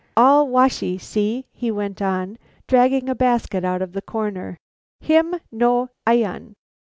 All washee, see!" he went on, dragging a basket out of the corner, "him no ilon."